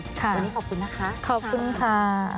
วันนี้ขอบคุณนะคะขอบคุณค่ะ